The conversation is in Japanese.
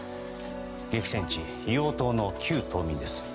激戦地・硫黄島の旧島民です。